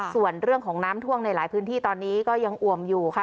ส่วนเรื่องของน้ำท่วมในหลายพื้นที่ตอนนี้ก็ยังอ่วมอยู่ค่ะ